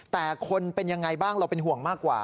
แต่คนเป็นยังไงบ้างเราเป็นห่วงมากกว่า